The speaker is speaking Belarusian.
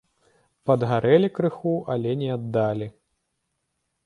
Падгарэлі крыху, але не аддалі.